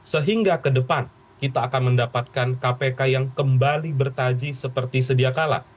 sehingga ke depan kita akan mendapatkan kpk yang kembali bertaji seperti sedia kala